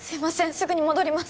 すぐに戻ります